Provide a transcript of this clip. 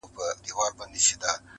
له تش چمن او لاله زار سره مي نه لګیږي-